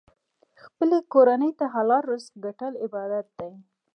خپلې کورنۍ ته حلال رزق ګټل عبادت دی.